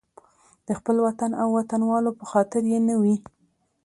د خپل وطن او وطنوالو په خاطر یې نه وي.